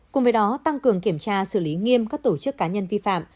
cùng với đó tăng cường kiểm tra xử lý nghiêm các tổ chức cá nhân vi phạm